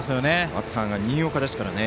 バッターは新岡ですからね。